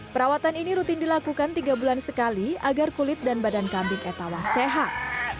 perawatan ini rutin dilakukan tiga bulan sekali agar kulit dan badan kambing etawa sehat